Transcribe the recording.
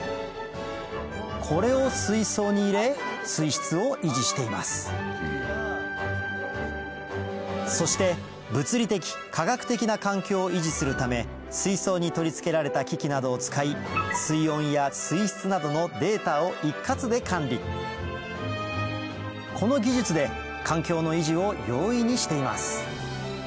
これを水槽に入れ水質を維持していますそして物理的科学的な環境を維持するため水槽に取り付けられた機器などを使いこの技術で環境の維持を容易にしています